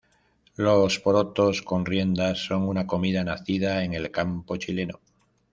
Los porotos con riendas son una comida nacida en el campo chileno.